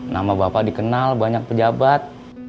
nama bapak dikenal banyak pejabat